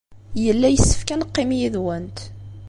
Yella yessefk ad neqqim yid-went.